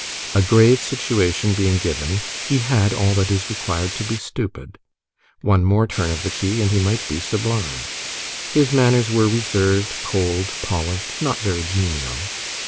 A grave situation being given, he had all that is required to be stupid: one more turn of the key, and he might be sublime. His manners were reserved, cold, polished, not very genial.